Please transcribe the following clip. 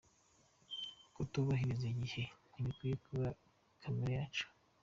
Kutubahiriza igihe ntibikwiye kuba kamere yacu.